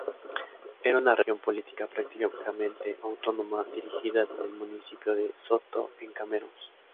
Era una región política prácticamente autónoma, dirigida desde el municipio de Soto en Cameros.